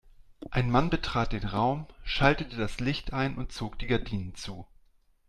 Ein Mann betrat den Raum, schaltete das Licht ein und zog die Gardinen zu.